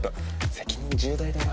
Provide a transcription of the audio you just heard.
責任重大だな。